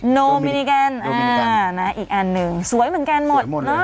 โนมินิแกนอีกอันหนึ่งสวยเหมือนกันหมดเนอะ